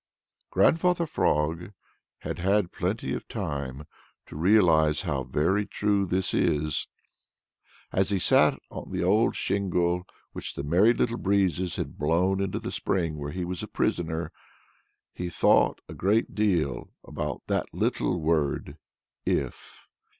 Grandfather Frog had had plenty of time to realize how very true this is. As he sat on the old shingle which the Merry Little Breezes had blown into the spring where he was a prisoner, he thought a great deal about that little word "if."